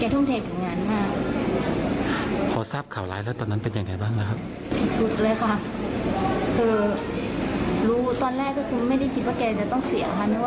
แต่พอรู้ว่าแก่เสียมันไม่มีแรงค่ะพี่